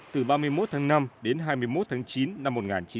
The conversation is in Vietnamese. từ ba mươi một tháng năm đến hai mươi một tháng chín năm một nghìn chín trăm bảy mươi năm